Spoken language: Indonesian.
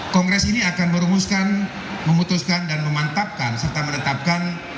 kongres ini akan merumuskan memutuskan dan memantapkan serta menetapkan